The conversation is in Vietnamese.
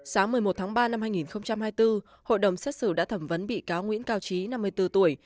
sáng một mươi một tháng ba năm hai nghìn hai mươi bốn hội đồng xét xử đã thẩm vấn bị cáo nguyễn cao trí năm mươi bốn tuổi